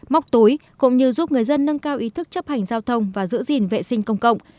móc túi cũng như giúp người dân nâng cao ý thức chấp hành giao thông và giữ gìn vệ sinh công cộng